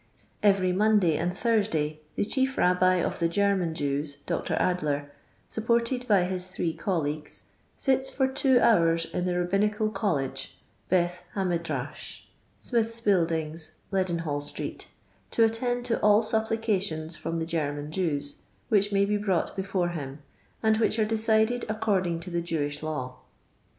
Every Monday and Thursday the Chief Rabbi of the German Jews, Dr. Adler, supported by his three colleagues, sits for two hours in the Rabbinical College (Beth Hamedrash), Smith's buildings, Leadenhall street, to attend to all applications from the German Jews, which may be brought before him, and which are decided according to the Jewish law.